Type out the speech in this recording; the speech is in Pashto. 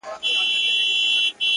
ساقي خراب تراب مي کړه نڅېږم به زه-